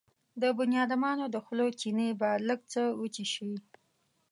د بنيادمانو د خولو چينې به لږ څه وچې شوې.